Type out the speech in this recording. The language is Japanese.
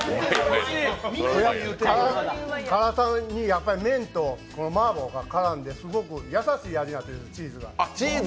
辛さに麺と麻婆が絡んですごく優しい味になってるんです、チーズが。